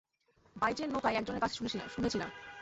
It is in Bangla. বাইচের নৌকায় একজনের কাছে শুনেছিলাম।